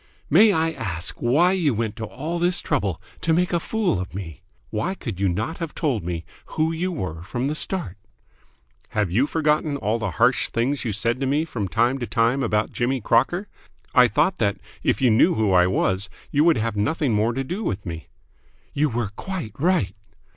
"May I ask why you went to all this trouble to make a fool of me? Why could you not have told me who you were from the start?" "Have you forgotten all the harsh things you said to me from time to time about Jimmy Crocker? I thought that, if you knew who I was, you would have nothing more to do with me." "You were quite right."